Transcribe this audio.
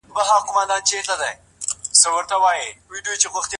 تاسي تل د خپلي کورنۍ سره مرسته کوئ.